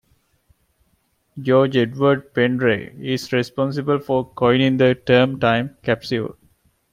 George Edward Pendray is responsible for coining the term time capsule.